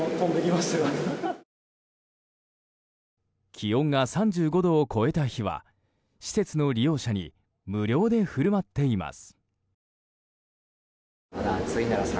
気温が３５度を超えた日は施設の利用者に無料で振る舞っています。